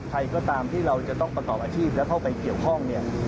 ใครก็ตามที่เราจะต้องประกอบอาชีพและเข้าไปเกี่ยวข้องเนี่ย